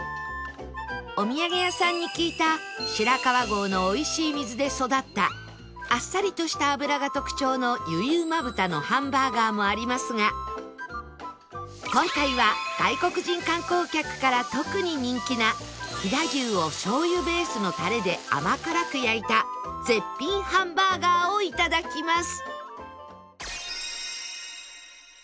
お土産屋さんに聞いた白川郷の美味しい水で育ったあっさりとした脂が特徴の結旨豚のハンバーガーもありますが今回は外国人観光客から特に人気な飛騨牛をしょう油ベースのタレで甘辛く焼いた絶品ハンバーガーを頂きます